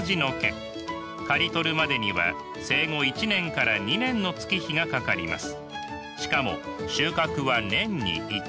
刈り取るまでには生後１年から２年の月日がかかります。